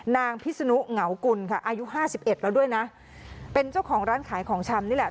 พิศนุเหงากุลค่ะอายุห้าสิบเอ็ดแล้วด้วยนะเป็นเจ้าของร้านขายของชำนี่แหละ